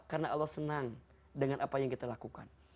karena allah senang dengan apa yang kita lakukan